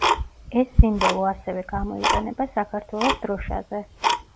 ეს სიმბოლო ასევე გამოიყენება საქართველოს დროშაზე.